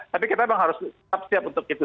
tapi kita memang harus tetap siap untuk itu